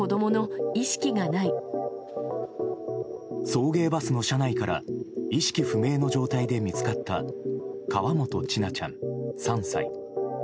送迎バスの車内から意識不明の状態で見つかった河本千奈ちゃん、３歳。